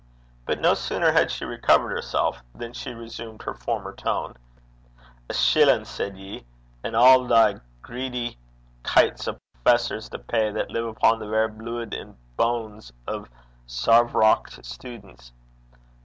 But no sooner had she recovered herself than she resumed her former tone. 'A shillin'! said ye? An' a' thae greedy gleds (kites) o' professors to pay, that live upo' the verra blude and banes o' sair vroucht students!